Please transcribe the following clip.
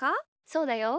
そうだよ。